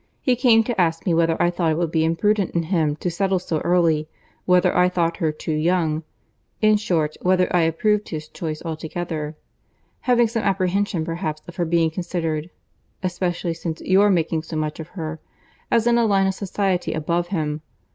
He came to ask me whether I thought it would be imprudent in him to settle so early; whether I thought her too young: in short, whether I approved his choice altogether; having some apprehension perhaps of her being considered (especially since your making so much of her) as in a line of society above him.